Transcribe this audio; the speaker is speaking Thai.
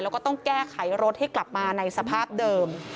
แล้วก็ต้องแก้ไขรถให้กลับมาในสภาพเดิม